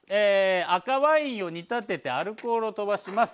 赤ワインを煮立ててアルコールをとばします。